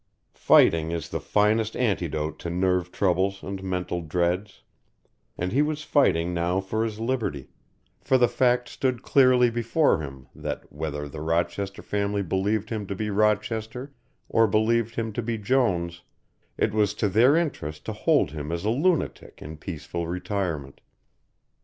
Fighting is the finest antidote to nerve troubles and mental dreads, and he was fighting now for his liberty, for the fact stood clearly before him, that, whether the Rochester family believed him to be Rochester or believed him to be Jones, it was to their interest to hold him as a lunatic in peaceful retirement.